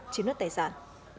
chiếm đoạt tài sản